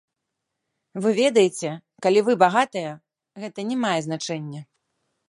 Вы ведаеце, калі вы багатыя, гэта не мае значэння.